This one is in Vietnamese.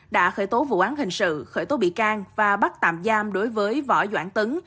đã khởi tố vụ án hình sự khởi tố bị can và bắt tạm giam đối với võ doãn tấn